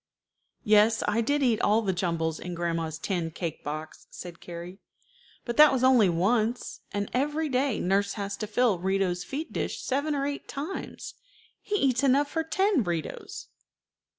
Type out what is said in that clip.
"Yes, I did eat all the jumbles in grandma's tin cake box," said Carrie; "but that was only once, and every day nurse has to fill Rito's feed dish seven or eight times. He eats enough for ten Ritos."